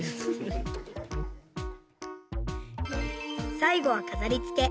最後は飾りつけ。